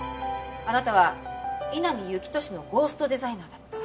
あなたは井波幸俊のゴーストデザイナーだった。